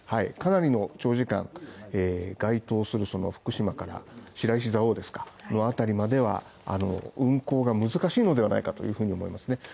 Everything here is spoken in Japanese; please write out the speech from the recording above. かなりの長時間該当するその福島から白石蔵王ですからそのあたりまでは運行が難しいのではないかというふうに思いますね